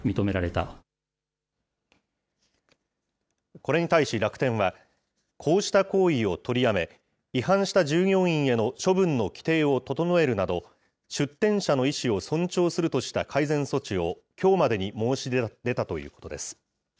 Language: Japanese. これに対し楽天は、こうした行為を取りやめ、違反した従業員への処分の規程を整えるなど、出店者の意思を尊重するとした改善措置をきょうまでに申し出たということです。